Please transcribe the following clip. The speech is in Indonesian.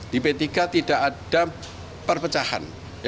di p tiga tidak ada perpecahan